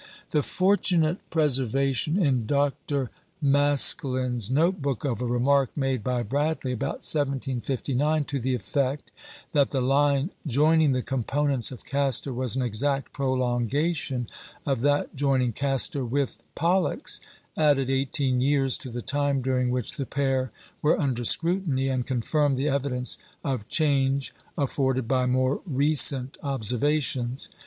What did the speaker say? " The fortunate preservation in Dr. Maskelyne's note book of a remark made by Bradley about 1759, to the effect that the line joining the components of Castor was an exact prolongation of that joining Castor with Pollux, added eighteen years to the time during which the pair were under scrutiny, and confirmed the evidence of change afforded by more recent observations.